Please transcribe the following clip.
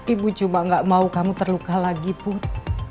ibu cuma gak mau kamu terluka lagi pun